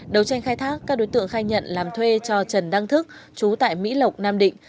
đấu tranh khai thác các đối tượng khai nhận làm thuê cho trần đăng thức chú tại mỹ lộc nam định